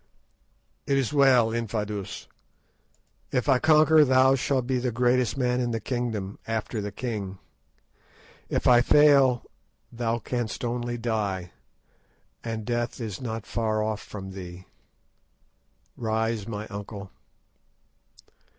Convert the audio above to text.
"It is well, Infadoos; if I conquer, thou shalt be the greatest man in the kingdom after its king. If I fail, thou canst only die, and death is not far off from thee. Rise, my uncle."